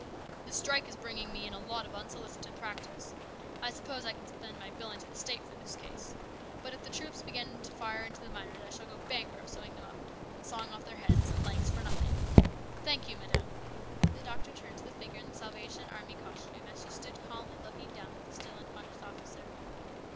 " This strike is bringing me in a lot of unsolicited practice. I suppose I can send my bill in to the State for this case, But if the troops begin to fire into the miners I shall go bankrupt sewing AN EXCITING TIME. 121 them up and sawing off their heads and legs for nothing. Thank you, madam ;" the doctor turned to the figure in the Salvation Army costume as she stood calmly looking down at the still unconscious officer.